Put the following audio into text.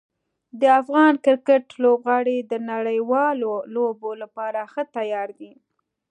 د افغان کرکټ لوبغاړي د نړیوالو لوبو لپاره ښه تیار دي.